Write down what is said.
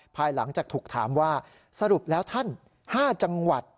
ภายหลังจากถูกถามว่าสรุปแล้วท่าน๕จังหวัด